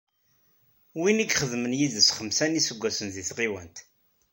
Win i ixedmen yid-s xemsa n yiseggasen deg tɣiwant.